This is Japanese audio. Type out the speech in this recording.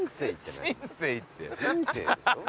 「人生」でしょ。